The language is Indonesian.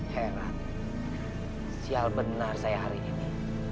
heran sial benar saya hari ini